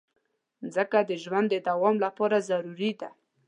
مځکه د ژوند د دوام لپاره ضروري ده.